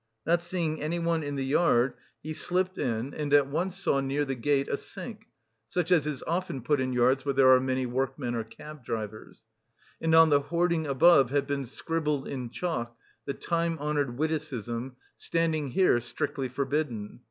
Not seeing anyone in the yard, he slipped in, and at once saw near the gate a sink, such as is often put in yards where there are many workmen or cab drivers; and on the hoarding above had been scribbled in chalk the time honoured witticism, "Standing here strictly forbidden."